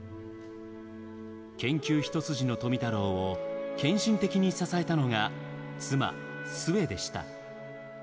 研究一筋の富太郎を献身的に支えたのが妻・壽衛でした。